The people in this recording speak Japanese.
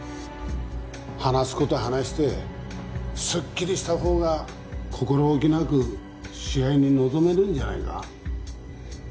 話す事話してすっきりしたほうが心置きなく試合に臨めるんじゃないか？